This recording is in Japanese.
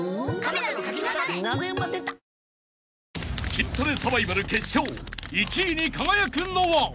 ［筋トレサバイバル決勝１位に輝くのは？］